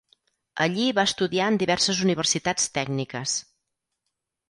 Allí va estudiar en diverses universitats tècniques.